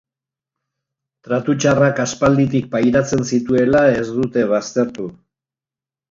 Tratu txarrak aspalditik pairatzen zituela ez dute baztertu.